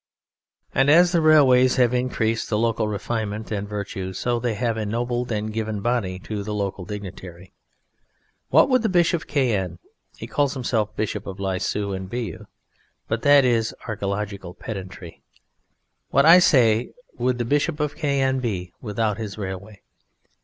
And as the railways have increased the local refinement and virtue, so they have ennobled and given body to the local dignitary. What would the Bishop of Caen (he calls himself Bishop of Lisieux and Bayeux, but that is archaeological pedantry); what, I say, would the Bishop of Caen be without his railway?